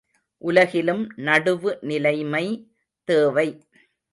உலகிலும் நடுவு நிலைமை தேவை.